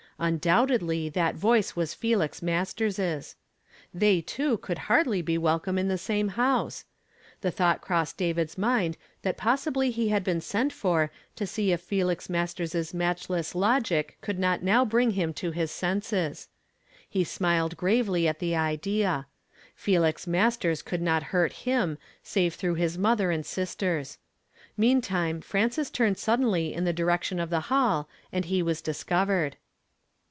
Tndoubtedly that voice was Felix Masters's. They two could hardly be welcome in the same house ! The thought crossed David's mind that possibly he had been sent for to see if Felix iMasters's matchless logic could not now bring him to his senses. He smiled gravely at the idea. Felix Masters could not hurt him save through his mother and sisters. Meantime Frances turned suddenly in the direction of the hall and he was disnnvercd.